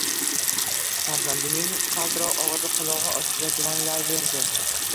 Farzandining qaltiroq ovozi qulog`i ostida jaranglayverdi